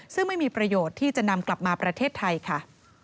ซึ่งไม่มีประโยชน์ที่จะนำกลับมาประเทศไทยค่ะ